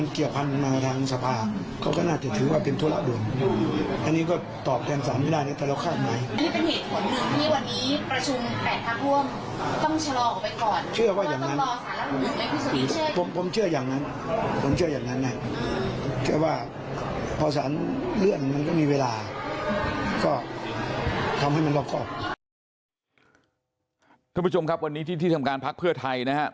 คุณผู้ชมครับวันนี้ที่ที่ทำการพักเพื่อไทยนะครับ